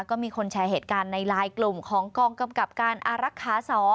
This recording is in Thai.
ก็มีคนแชร์เหตุการณ์ในไลน์กลุ่มของกองกำกับการอารักษา๒